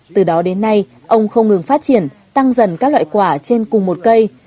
từ đó đến nay ông không ngừng phát triển tăng dần các loại quả trên cùng một cây